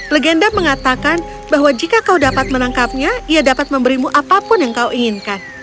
legenda mengatakan bahwa jika kau dapat menangkapnya ia dapat memberimu apapun yang kau inginkan